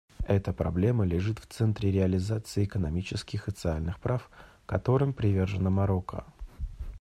Эта проблема лежит в центре реализации экономических и социальных прав, которым привержено Марокко.